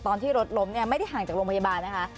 ตอนที่รถล้มเนี่ยไม่ได้ห่างจากโรงพยาบาลนะคะ